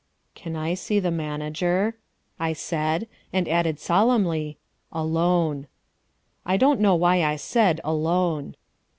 "Can I see the manager?" I said, and added solemnly, "alone." I don't know why I said "alone."